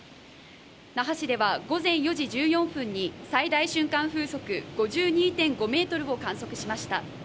那覇市では午前４時１４分に最大瞬間風速５２．５メートルを観測しました。